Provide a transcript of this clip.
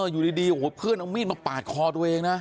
อยู่ดีโอ้โหเพื่อนเอามีดมาปาดคอตัวเองนะ